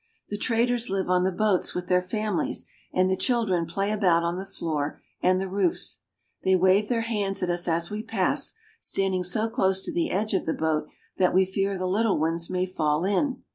The traders live on the boats with their families, and the chil dren play about on the floor and the roofs. They wave their hands at us as we pass, standing so close to the edge of the boat that we fear the little ones may fall in.